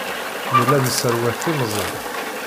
Nella nesserwat timẓin.